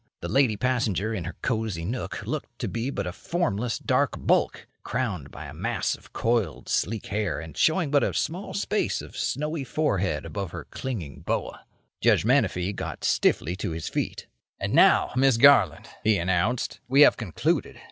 The lady passenger in her cosy nook looked to be but a formless dark bulk, crowned by a mass of coiled, sleek hair and showing but a small space of snowy forehead above her clinging boa. Judge Menefee got stiffly to his feet. "And now, Miss Garland," he announced, "we have concluded.